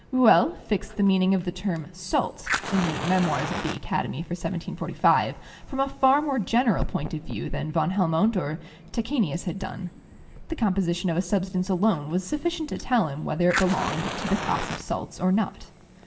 Rouelle fixed the meaning of the term "salt" (in the 'Memoirs' of the Academy for 1745) from a far more general point of view than van Helmont or Tachenius had done. The composition of a substance alone was sufficient to tell him whether it belonged to the class of salts or not.